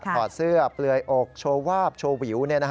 ถอดเสื้อเปลยอกโชวาบโชวิว